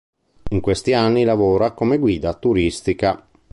In questi anni lavora come guida turistica.